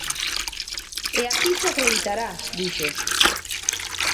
"E así se acreditará", dixo.